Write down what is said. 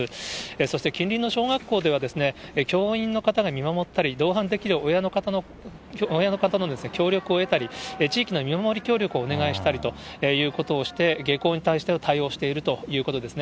そして近隣の小学校では、教員の方が見守ったり、同伴できる親の方の協力を得たり、地域の見守り協力をお願いしたりということをして、下校に対しての対応をしているということですね。